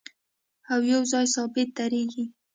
او یو ځای ثابت درېږي